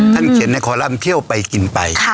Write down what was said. ท่านเขียนในคอลังเที่ยวไปกินไป